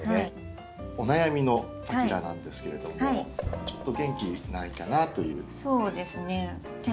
お悩みのパキラなんですけれどもちょっと元気ないかなという。